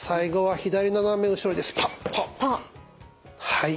はい。